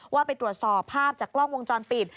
ว่าไปตรวจสอบภาพจากกล้องวงจรปิด